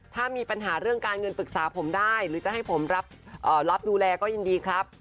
ถ้ามีปัญหาเรื่องการเงินปรึกษาผมได้หรือจะให้ผมรับดูแลก็ยินดีครับ